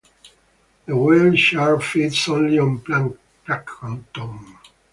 The whale shark feeds only on plankton.